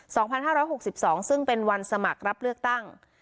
สองพันห้าร้อยหกสิบสองซึ่งเป็นวันสมัครรับเลือกตั้ง